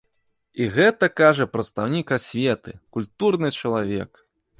І гэта кажа прадстаўнік асветы, культурны чалавек!